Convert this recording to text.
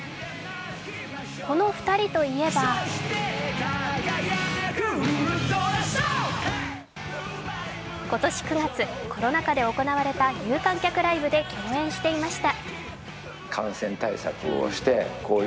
この２人といえば今年９月、コロナ禍で行われた有観客ライブで共演していました。